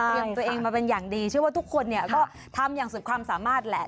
ของตัวเองมาเป็นอย่างดีเชื่อว่าทุกคนเนี่ยก็ทำอย่างสุดความสามารถแหละ